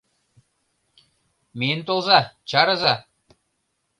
Миен толза, чарыза!